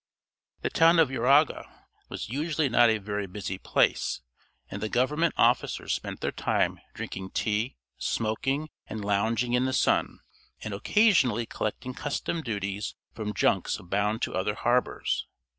The town of Uraga was usually not a very busy place, and the government officers spent their time drinking tea, smoking, and lounging in the sun, and occasionally collecting custom duties from junks bound to other harbors.